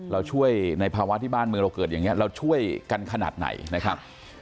เราช่วยในภาวะที่บ้านเมืองเราเกิดอย่างนี้เราช่วยกันขนาดไหนนะครับ